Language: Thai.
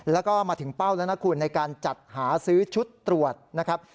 แล้วก็มาถึงเป้าแล้วนะคุณในการจัดหาซื้อชุดตรวจนะครับ